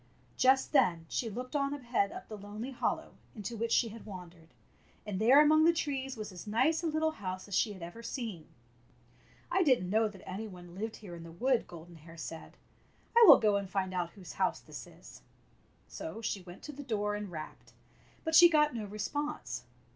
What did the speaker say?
Just then she looked on ahead up the lonely hollow into which she had wandered, and there among the trees was as nice a little house as she had ever seen. "I did n't know that any one lived here in the wood," Golden Hair said. "I will go and And out whose house this is." So she went to the door and rapped, but she got no response.